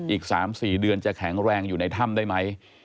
อีก๓๔เดือนจะแข็งแรงอยู่ในถ้ำได้ไหม